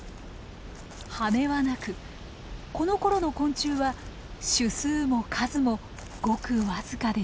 羽はなくこのころの昆虫は種数も数もごく僅かでした。